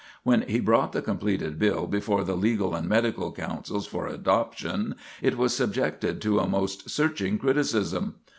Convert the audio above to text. When he brought the completed bill before the Legal and Medical councils for adoption it was subjected to a most searching criticism.